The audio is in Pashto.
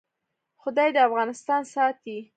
خدای دې افغانستان ساتي؟